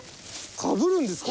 かぶるんですか？